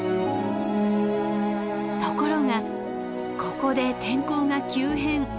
ところがここで天候が急変。